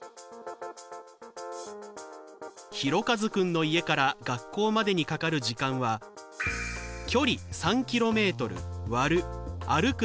ひろかずくんの家から学校までにかかる時間は距離３ｋｍ割る歩く